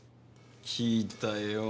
聞いたよ。